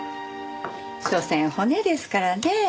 しょせん骨ですからね。